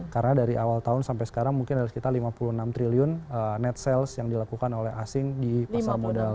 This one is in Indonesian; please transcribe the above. karena dari awal tahun sampai sekarang mungkin dari kita lima puluh enam triliun net sales yang dilakukan oleh asing di pasar modal